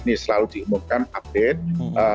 ini selalu diumumkan update